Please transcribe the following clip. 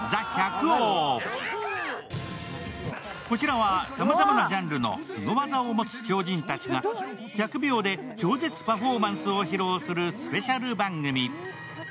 こちらはさまざまなジャンルのスゴ技を持つ超人たちが１００秒で超絶パフォーマンスを披露するスペシャル番組。